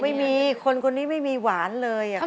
ไม่มีคนคนนี้ไม่มีหวานเลย